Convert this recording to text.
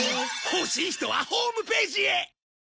欲しい人はホームページへ！